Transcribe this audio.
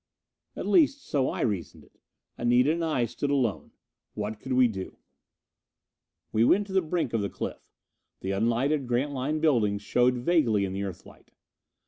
At least, so I reasoned it. Anita and I stood alone. What could we do? We went to the brink of the cliff. The unlighted Grantline buildings showed vaguely in the Earthlight.